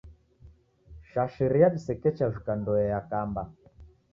Shashiria disekecha vika ndoe yakamba.